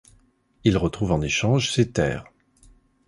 Il retrouve en échange ses terres.